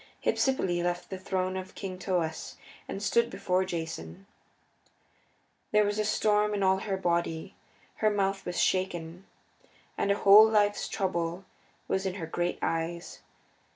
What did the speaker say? Hypsipyle left the throne of King Thoas and stood before Jason. There was a storm in all her body; her mouth was shaken, and a whole life's trouble was in her great eyes.